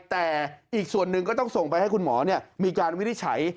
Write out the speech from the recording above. แต่อีกส่วนหนึ่งก็ต้องส่งไปให้คุณหมอมีการวินิจฉัย